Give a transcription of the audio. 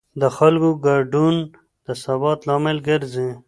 د خلکو ګډون د ثبات لامل ګرځي